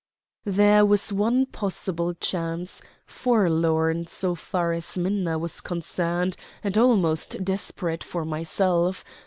There was one possible chance forlorn so far as Minna was concerned, and almost desperate for myself.